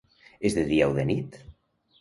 És de dia o de nit?